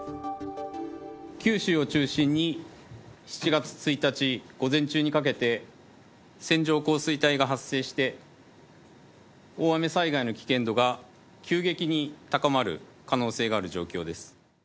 九州を中心に、７月１日午前中にかけて、線状降水帯が発生して、大雨災害の危険度が急激に高まる可能性がある状況です。